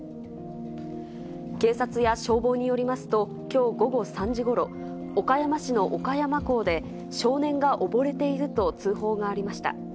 警察や消防によりますと、きょう午後３時ごろ、岡山市の岡山港で少年が溺れていると通報がありました。